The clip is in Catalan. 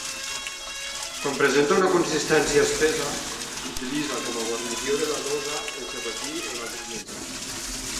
Quan presenta una consistència espessa, s'utilitza com a guarnició de la Dosa, el Chapati o d'altres menjars.